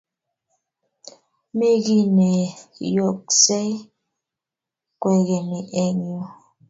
mi kiy neyooksei kwekeny eng yu